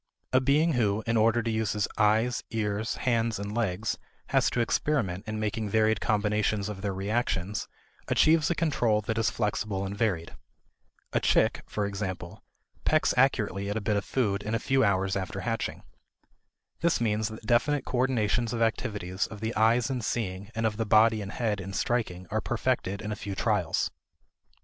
A being who, in order to use his eyes, ears, hands, and legs, has to experiment in making varied combinations of their reactions, achieves a control that is flexible and varied. A chick, for example, pecks accurately at a bit of food in a few hours after hatching. This means that definite coordinations of activities of the eyes in seeing and of the body and head in striking are perfected in a few trials.